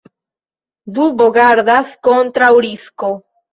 Dubo gardas kontraŭ risko.